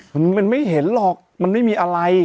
มันมันไม่เห็นหรอกมันไม่มีอะไร